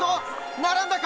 並んだか？